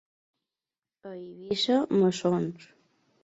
A Eivissa, mossons.